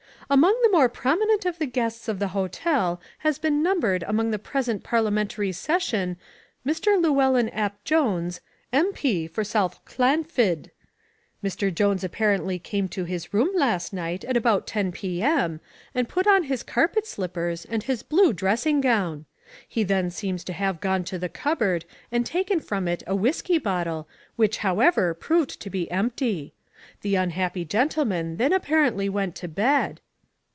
"Among the more prominent of the guests of the hotel has been numbered during the present Parliamentary session Mr. Llewylln Ap. Jones, M.P., for South Llanfydd. Mr. Jones apparently came to his room last night at about ten P.M., and put on his carpet slippers and his blue dressing gown. He then seems to have gone to the cupboard and taken from it a whisky bottle which however proved to be empty. The unhappy gentleman then apparently went to bed..."